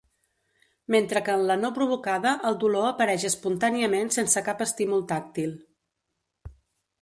Mentre que en la no provocada el dolor apareix espontàniament sense cap estímul tàctil.